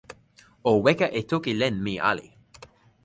o weka e toki len mi ali.